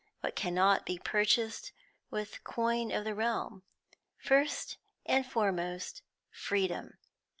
What cannot be purchased with coin of the realm? First and foremost, freedom.